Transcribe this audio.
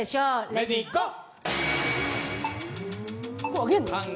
レディ・ゴー！